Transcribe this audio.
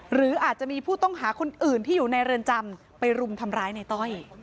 หรืออาจจะมีผู้ต้องหาคนอื่นที่อยู่ในเรือนจำไปรุมทำร้ายในต้อย